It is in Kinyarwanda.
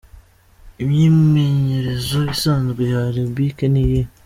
Imyimenyerezo isanzwe ya ' aerobic' n'iyihe?.